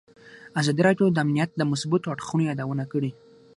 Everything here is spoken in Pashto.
ازادي راډیو د امنیت د مثبتو اړخونو یادونه کړې.